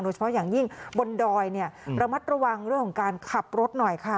เฉพาะอย่างยิ่งบนดอยเนี่ยระมัดระวังเรื่องของการขับรถหน่อยค่ะ